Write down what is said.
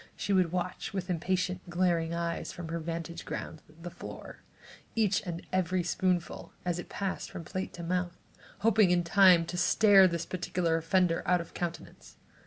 Often she would watch with impatient, glaring eyes, from her vantage ground, the floor, each and every spoonful, as it passed from plate to mouth, hoping in time to stare this particular offender out of countenance.